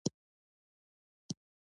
افغانستان کې ژمی د چاپېریال د تغیر نښه ده.